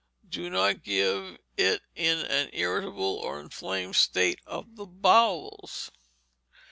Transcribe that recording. _ Do not give it in an irritable or inflamed state of the bowels.